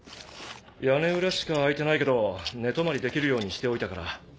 屋根裏しか空いてないけど寝泊まりできるようにしておいたから。